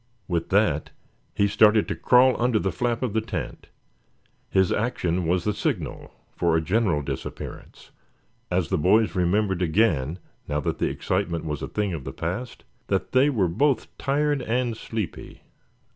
With that he started to crawl under the flap of the tent. His action was the signal for a general disappearance, as the boys remembered again, now that the excitement was a thing of the past, that they were both tired and sleepy.